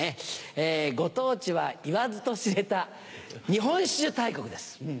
ご当地は言わずと知れた日本酒大国です。